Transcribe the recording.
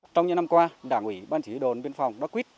trong những năm qua đảng ủy ban chỉ đồn biên phòng đặc huyết